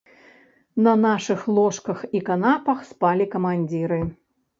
На нашых ложках і канапах спалі камандзіры.